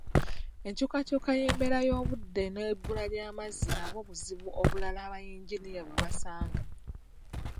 Enkyukakyuka y'embeera y'obudde n'ebbula ly'amazzi nabwo buzibu obulala bayinginiya bwe basanga.